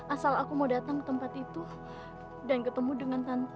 asal aku mau datang ke tempat itu dan ketemu dengan tante